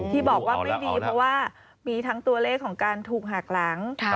ที่บอกว่าไม่ดีเพราะว่ามีทั้งตัวเลขของการถูกหักหลัง